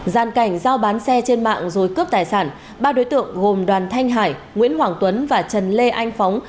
giàn cảnh giao bán xe trên mạng rồi cướp tài sản ba đối tượng gồm đoàn thanh hải nguyễn hoàng tuấn và trần lê anh phóng